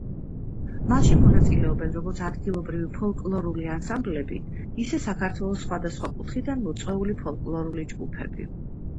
მასში მონაწილეობენ როგორც ადგილობრივი ფოლკლორული ანსამბლები, ისე საქართველოს სხვადასხვა კუთხიდან მოწვეული ფოლკლორული ჯგუფები.